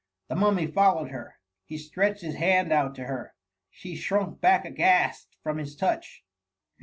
The Mummy followed her. He stretched his hand out to her. She shrunk back aghast from hfs touch.